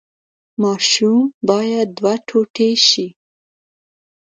ماشوم باید دوه ټوټې شي.